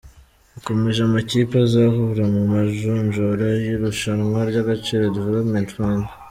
Uko amakipe azahura mu majonjora y’irushanwa ry’Agaciro Development Fund.